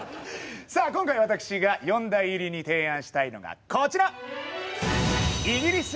さあ今回私が四大入りに提案したいのがこちら！